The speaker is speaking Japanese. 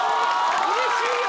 うれしいよ！